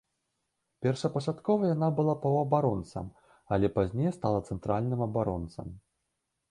Першапачаткова яна была паўабаронцам, але пазней стала цэнтральным абаронцам.